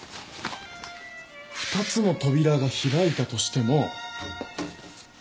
二つの扉が開いたとしても。